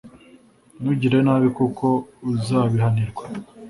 Ntugire nabi kuko uzabihanirwa